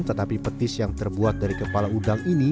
tetapi petis yang terbuat dari kepala udang ini